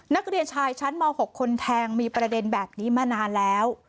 นักเรียนชายชั้นม๖คนแทงมีประเด็นแบบนี้มานานแล้ว